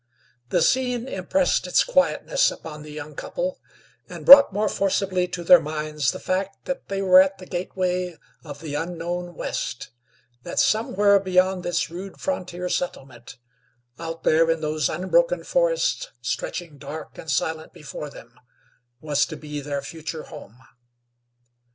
The scene impressed its quietness upon the young couple and brought more forcibly to their minds the fact that they were at the gateway of the unknown West; that somewhere beyond this rude frontier settlement, out there in those unbroken forests stretching dark and silent before them, was to be their future home.